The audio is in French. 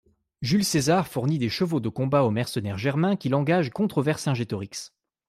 Jules César fournit des chevaux de combat aux mercenaires germains qu'il engage contre Vercingétorix.